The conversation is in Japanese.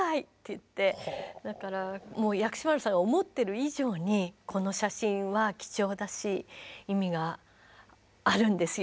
だからもう「薬師丸さんが思ってる以上にこの写真は貴重だし意味があるんですよ。